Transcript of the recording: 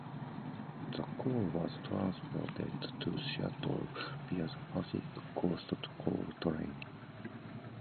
This coal was transported to Seattle via the Pacific Coast Coal train.